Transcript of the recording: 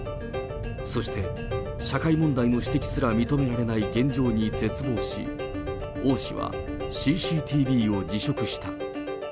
そして、社会問題の指摘すら認められない現状に絶望し、王氏はＣＣＴＶを辞職した。